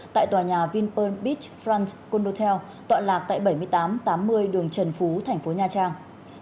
tại tòa nhà vinpearl beach front condotel tọa lạc tại bảy nghìn tám trăm tám mươi đường trần phú thành phố nha trang